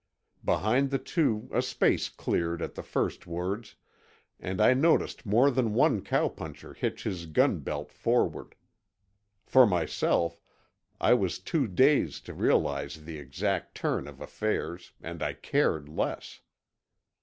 Behind the two a space cleared at the first words, and I noticed more than one cowpuncher hitch his gun belt forward. For myself, I was too dazed to realize the exact turn of affairs, and I cared less.